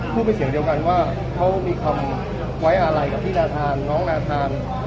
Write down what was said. พูดเป็นเสียงเดียวกันว่าเขามีคำไว้อะไรกับพี่นาธานน้องนาธาน